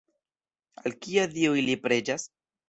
Al kia dio ili preĝas?